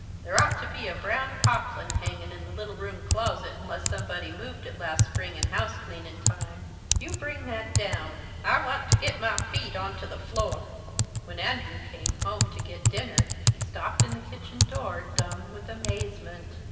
There ought to be a brown poplin hangin' in the little room closet, unless somebody moved it last spring in housecleanin' time. You bring that down. I want to git my feet onto the floor." When Andrew came home to get dinner he stopped in the kitchen door, dumb with amazement.